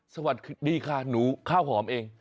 สวัสดีค่ะหนูข้าวหอมเอง